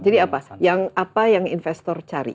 jadi apa yang investor cari